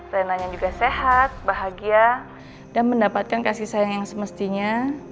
renanya juga sehat bahagia dan mendapatkan kasih sayang yang semestinya